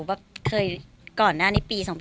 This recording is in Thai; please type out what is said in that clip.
วันนี้๔๓ค่ะ